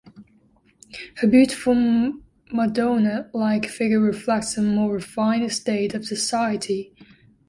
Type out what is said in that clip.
Her beautiful Madonna-like figure reflects a more refined state of society.